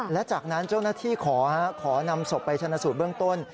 และจากนั้นเจ้าหน้าที่ขอนำศพไปชนะสูตรเบื้องต้น